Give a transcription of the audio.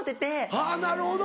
あぁなるほど。